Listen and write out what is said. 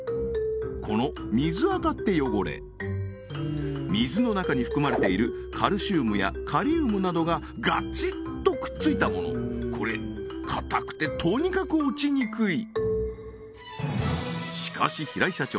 この水アカって汚れ水の中に含まれているカルシウムやカリウムなどがガチッとくっついたものこれ硬くてとにかく落ちにくいしかし平井社長